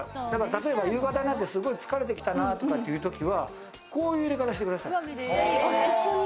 例えば夕方になってすごい疲れてきたなというときはこういう入れ方してください。